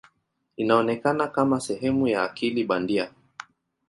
Inaonekana kama sehemu ya akili bandia.